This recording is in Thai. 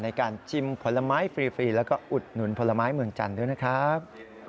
ในการชิมผลไม้ฟรีแล้วก็อุดหนุนผลไม้เมืองจันทร์ด้วยนะครับ